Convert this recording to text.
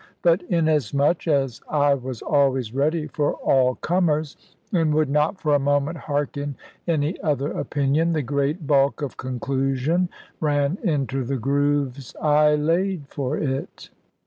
But inasmuch as I was always ready for all comers, and would not for a moment harken any other opinion, the great bulk of conclusion ran into the grooves I laid for it.